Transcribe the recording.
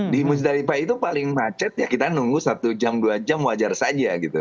di musdalifah itu paling macet ya kita nunggu satu jam dua jam wajar saja gitu